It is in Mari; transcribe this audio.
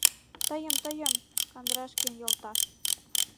— Тыйым, тыйым, Кандрашкин йолташ!